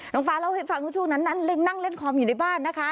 น้องฟ้าเล่าให้ฟังช่วงนั้นนั้นนั่งเล่นคอมอยู่ในบ้านนะคะ